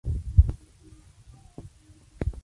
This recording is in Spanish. Se le retrata como un hombre repulsivo.